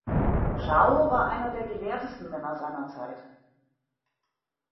Shao war einer der gelehrtesten Männer seiner Zeit.